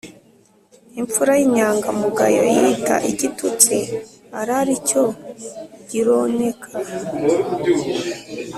imfura y'inyangamugayo yita igitutsi, arari cyo gironeka